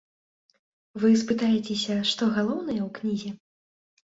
Вы спытаецеся, што галоўнае ў кнізе?